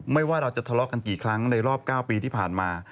ว่าเราจะทะเลาะกันกี่ครั้งในรอบ๙ปีที่ผ่านมา